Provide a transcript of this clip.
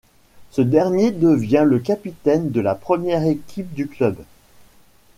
Ce dernier devient le capitaine de la première équipe du club.